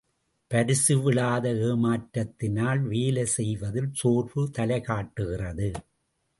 பரிசு விழாத ஏமாற்றத்தினால் வேலை செய்வதில் சோர்வு தலைகாட்டுகிறது!